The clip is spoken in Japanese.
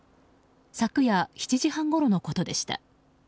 昨夜７時半ごろのことでした。